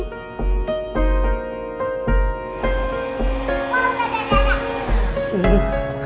kepala kiki pusing